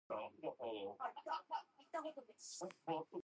The laminated steel and iron blade is stout compared to western planes.